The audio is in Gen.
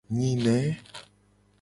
Nyine.